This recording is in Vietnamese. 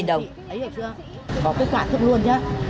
bỏ cái cả thức luôn nhé